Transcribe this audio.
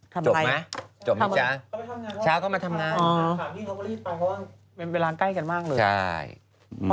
จบไหมจบนะจ๊ะช้าก็มาทำงานอ๋อเป็นเวลาใกล้กันมากเลยใช่